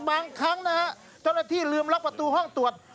บางครั้งนะฮะเจ้าหน้าที่ลืมล็อกประตูห้องตรวจ